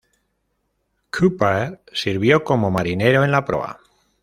Cooper sirvió como marinero en la proa.